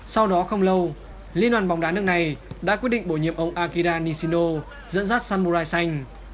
sau đó không lâu liên đoàn vòng đá nước này đã quyết định bổ nhiệm ông akira nishino dẫn dắt samurai xanh